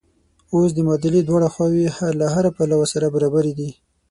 اوس د معادلې دواړه خواوې له هره پلوه سره برابرې دي.